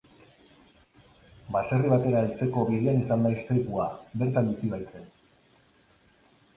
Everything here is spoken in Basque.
Baserri batera heltzeko bidean izan da istripuan, bertan bizi baitzen.